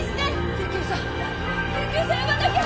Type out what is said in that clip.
救急車救急車呼ばなきゃ！